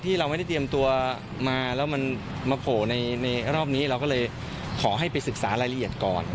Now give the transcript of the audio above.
เราไม่ได้เตรียมตัวมาแล้วมันมาโผล่ในรอบนี้เราก็เลยขอให้ไปศึกษารายละเอียดก่อน